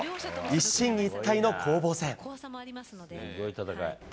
一進一退の攻防戦。